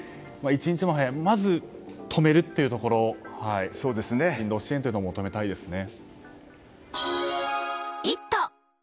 一日も早くまず止めるというところ人道支援を求めたいですよね。